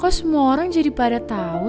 kok semua orang jadi pada tahu